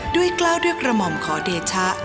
กล้าวด้วยกระหม่อมขอเดชะ